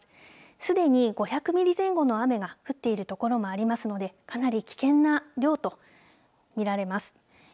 すでに５００ミリ前後の雨が降っているところもありますのでかなり危険な量といえます。